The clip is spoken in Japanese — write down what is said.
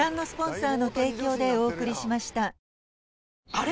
あれ？